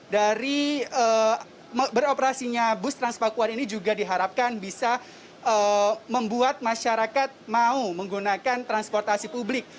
dari beroperasinya bus transpakuan ini juga diharapkan bisa membuat masyarakat mau menggunakan transportasi publik